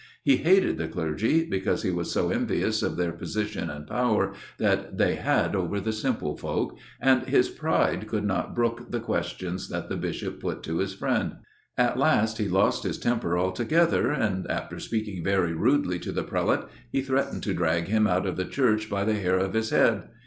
He hated the clergy, because he was envious of their position and the power that they had over the simple folk, and his pride could not brook the questions that the Bishop put to his friend. At last he lost his temper altogether, and, after speaking very rudely to the Prelate, he threatened to drag him out of the church by the hair of his head.